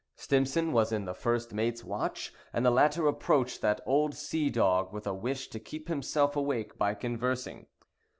Stimson was in the first mate's watch, and the latter approached that old sea dog with a wish to keep himself awake by conversing.